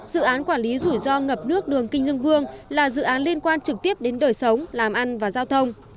dự án quản lý rủi ro ngập nước đường kinh dương vương là dự án liên quan trực tiếp đến đời sống làm ăn và giao thông